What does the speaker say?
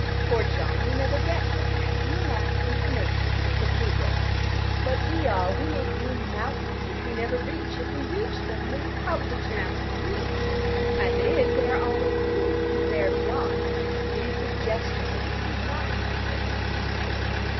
Poor John, you never get romance. You amass information, and make a Blue Book. But we all, we make blue mountains, which we never reach. If we reached them they would probably turn out to be green. As it is, they are always blue, because they are beyond. It is suggestion that we seek, not attainment.